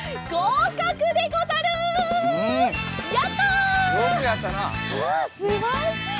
うんすばらしい！